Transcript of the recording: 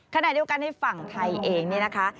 ขณะเดียวกันในฝั่งไทยเองเนี่ยนะคะ